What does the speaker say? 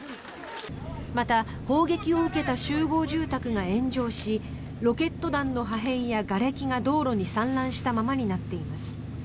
また砲撃を受けた集合住宅が炎上しロケット弾の破片やがれきが道路に散乱したままになっています。